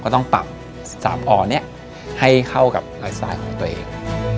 ต้องปรับ๓อ่อนี้ให้เข้ากับไลฟ์สไตล์ของตัวเอง